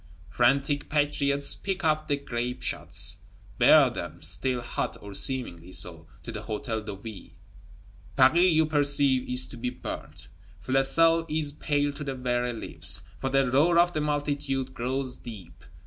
Frantic patriots pick up the grape shots; bear them, still hot (or seemingly so), to the Hôtel de Ville: Paris, you perceive, is to be burnt! Flesselles is "pale to the very lips," for the roar of the multitude grows deep.